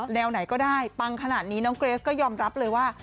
แนวไหนก็ได้ปังขนาดนี้น้องเกรสก็ยอมรับเลยว่า